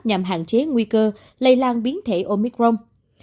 nhằm hạn chế nguy cơ lây lan biến thể omicron